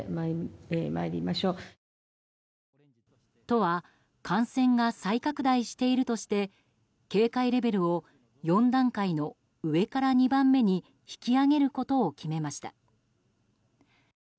都は感染が再拡大しているとして警戒レベルを４段階の上から２番目に引き上げることを決めました。